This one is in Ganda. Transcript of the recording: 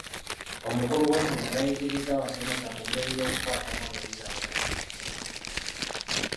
Omukulu w'essomero yayigirizza abasomesa ku ngeri y'okukwatamu abayizi abalwadde.